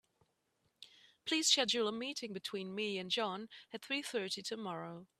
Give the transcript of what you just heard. Please schedule a meeting between me and John at three thirty tomorrow.